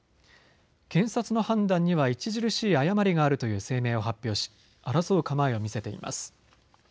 検察の判断には著しい誤りがあるという声明を発表し争う構えを見せています。